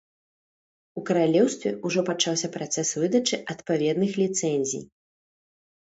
У каралеўстве ўжо пачаўся працэс выдачы адпаведных ліцэнзій.